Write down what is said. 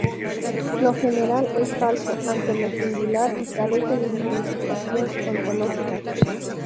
Lo general es falso ante lo singular y carece de significación ontológica.